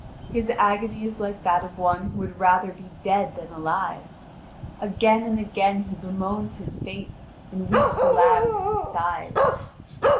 His agony is like that of one who would rather be dead than alive. Again and again he bemoans his fate, and weeps aloud and sighs.